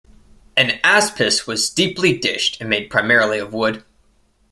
An aspis was deeply dished and made primarily of wood.